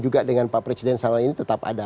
juga dengan pak presiden selama ini tetap ada